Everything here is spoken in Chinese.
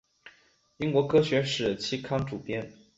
英国科学史期刊主编。